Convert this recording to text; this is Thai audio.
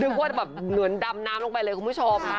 ว่าจะแบบเหมือนดำน้ำลงไปเลยคุณผู้ชม